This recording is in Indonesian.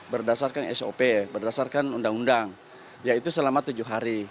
berdasarkan sop berdasarkan undang undang yaitu selama tujuh hari